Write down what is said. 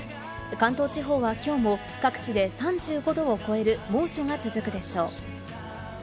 関東地方はきょうも各地で３５度を超える猛暑が続くでしょう。